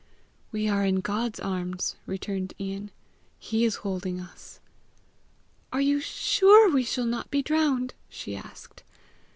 "We are in God's arms," returned Ian. "He is holding us." "Are you sure we shall not be drowned?" she asked.